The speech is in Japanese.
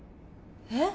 えっ？